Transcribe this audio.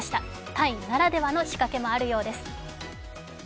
タイならではの仕掛けもあるようです。